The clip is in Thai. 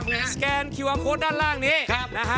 สกาลครับครับสกันคืออังคตด้านล่างนี้ครับ